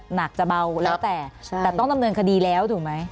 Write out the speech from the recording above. หนักจะเบาแล้วแต่แต่ต้องดำเนินคดีแล้วถูกไหม